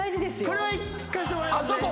これはいかしてもらいますね。